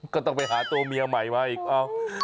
ก็ต้องไปหาตัวเมียใหม่มาอีกเอ้า